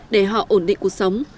để họ ổn định cuộc sống